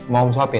mau om suapin